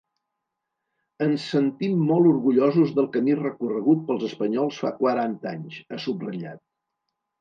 “Ens sentim molt orgullosos del camí recorregut pels espanyols fa quaranta anys”, ha subratllat.